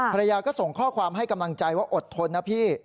ภรรยาก็ส่งข้อความให้กำลังใจว่าอดทนนะพี่